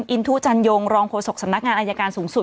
อินทุจันยงรองโฆษกสำนักงานอายการสูงสุด